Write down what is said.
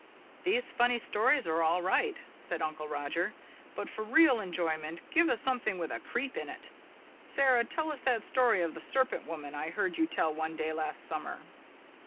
"These funny stories are all right," said Uncle Roger, "but for real enjoyment give me something with a creep in it. Sara, tell us that story of the Serpent Woman I heard you tell one day last summer."